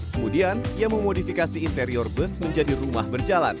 kemudian ia memodifikasi interior bus menjadi rumah berjalan